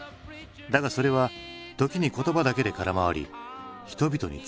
だがそれは時に言葉だけで空回り人々に疲れを生む。